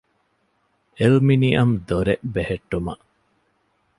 އެލްމިނިއަމް ދޮރެއް ބެހެއްޓުމަށް